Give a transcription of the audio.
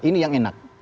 ini yang enak